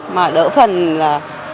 mà đỡ phần là